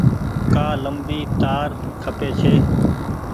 ڪآ ليمبي تآر کپي ڇي۔